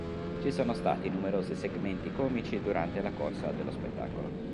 Ci sono stati numerosi segmenti comici durante la corsa dello spettacolo.